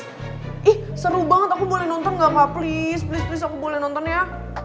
ih seru banget aku boleh nonton gak apa please please please aku boleh nonton ya